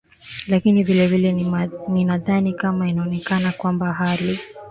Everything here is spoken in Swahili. lakini vilevile mi nadhani kama ikionekana kwamba hali